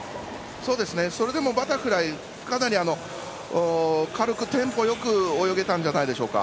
それでもバタフライかなり軽くテンポよく泳げたんじゃないでしょうか。